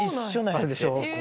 あるでしょ